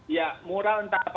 ya mural entah apa